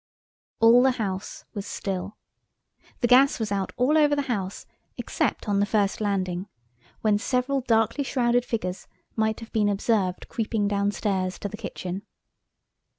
All the house was still. The gas was out all over the house except on the first landing, when several darkly shrouded figures might have been observed creeping downstairs to the kitchen.